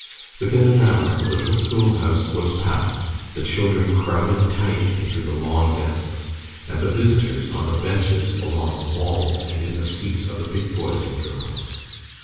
Within an hour the little school house was packed, the children crowded tight into the long desks, and the visitors on the benches along the walls and in the seats of the big boys and girls.